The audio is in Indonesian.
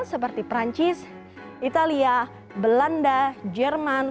seperti perancis italia belanda jerman